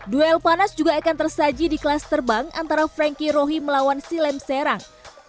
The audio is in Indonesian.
duel panas juga akan tersaji di kelas terbang antara frankie rohi melawan silem serang